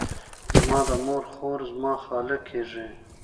زما د مور خور، زما خاله کیږي.